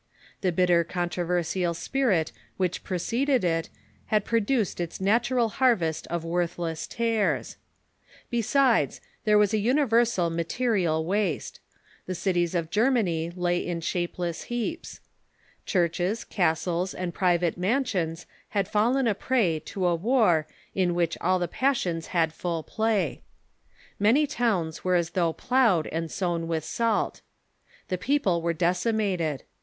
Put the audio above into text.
The bitter controversial spirit which preceded it had produced its nat ural harvest of worthless tares. Besides, there was a univer sal material waste. The cities of Germany lay in shapeless SPENER AND PIETISM 323 heaps. Churches, castles, and private mansions had fallen a prey to a war in which all the passions had full play. INIany towns were as though })l()uglK'd and sown with salt. The peo ple were decimated.